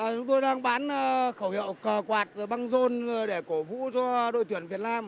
chúng tôi đang bán khẩu hiệu cờ quạt băng rôn để cổ vũ cho đội tuyển việt nam